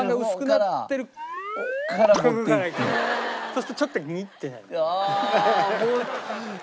そうするとちょっとニッてなる。